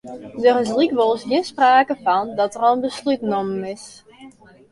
Der is lykwols gjin sprake fan dat der al in beslút nommen is.